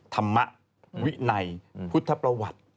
ธรรมวินัยพุทธประวัติ